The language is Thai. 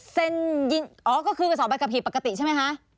เซ็นยินอ๋อก็คือไปสอบบัตรกับผีปกติใช่ไหมคะ